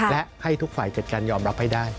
และให้ทุกฝ่ายจัดการยอมรับให้ได้